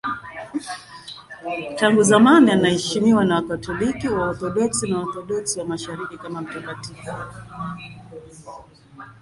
Tangu zamani anaheshimiwa na Wakatoliki, Waorthodoksi na Waorthodoksi wa Mashariki kama mtakatifu.